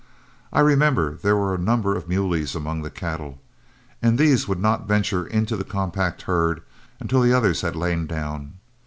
I remember there were a number of muleys among the cattle, and these would not venture into the compact herd until the others had lain down.